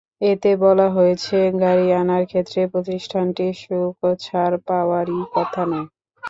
এতে বলা হয়েছে, গাড়ি আনার ক্ষেত্রে প্রতিষ্ঠানটি শুল্কছাড় পাওয়ারই কথা নয়।